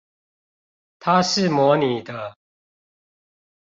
他是模擬的